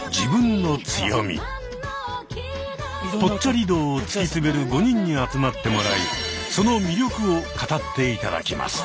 ぽっちゃり道を突き詰める５人に集まってもらいその魅力を語って頂きます。